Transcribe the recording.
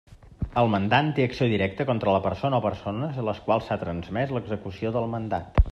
El mandant té acció directa contra la persona o persones a les quals s'ha transmès l'execució del mandat.